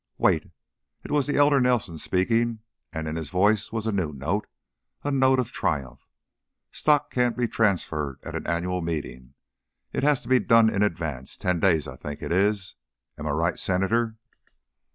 "Wait!" It was the elder Nelson speaking, and in his voice was a new note a note of triumph. "Stock can't be transferred at an annual meeting. It has to be done in advance ten days, I think it is. Am I right, Senator?"